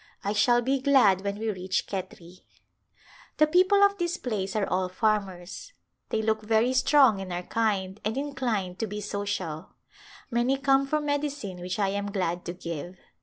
I shall be glad when we reach Khetri. The people of this place are all farmers. They look very strong and are kind and inclined to be so cial. Many come for medicine which I am glad to give.